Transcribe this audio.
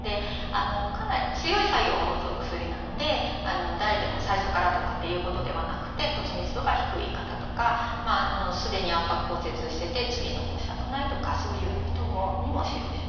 かなり強い作用を持つお薬なので誰でも最初からとかっていうことではなくて骨密度が低い方とかすでに圧迫骨折してて次に起こしたくないとかそういう人にも使用します。